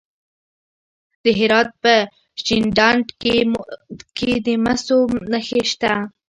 د هرات په شینډنډ کې د مسو نښې شته.